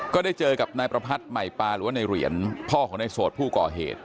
ก็ได้เจอกับนายประพัทธ์ใหม่ปาหรือว่าในเหรียญพ่อของในโสดผู้ก่อเหตุ